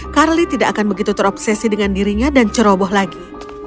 carly tidak akan begitu terobsesi dengan dirinya dan ceroboh lagi